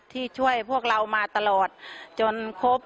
ที่ช่วยพวกเรามาตลอดจนครบ